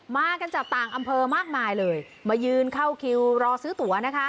มาจากต่างอำเภอมากมายเลยมายืนเข้าคิวรอซื้อตัวนะคะ